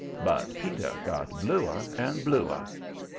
But Peter got bluer and bluer.